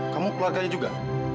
kamu keluarganya juga